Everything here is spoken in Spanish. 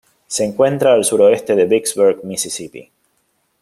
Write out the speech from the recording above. Se encuentra al suroeste de Vicksburg, Misisipi.